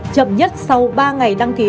chậm nhất sau ba ngày đăng ký